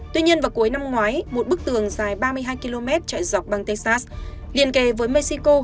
tuy nhiên vào cuối năm ngoái một bức tường dài ba mươi hai km chạy dọc bang texas liền kề với mexico